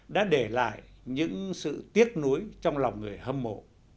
đã để lại những sự tiếc núi trong lòng người hâm mộ